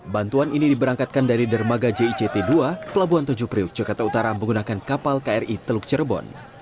bantuan ini diberangkatkan dari dermaga jict dua pelabuhan tujuh priok jakarta utara menggunakan kapal kri teluk cirebon